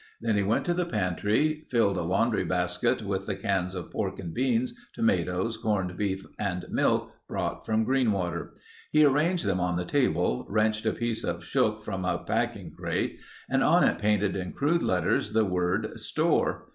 Then he went to the pantry, filled a laundry basket with the cans of pork and beans, tomatoes, corned beef, and milk brought from Greenwater. He arranged them on the table, wrenched a piece of shook from a packing crate and on it painted in crude letters the word, "Store."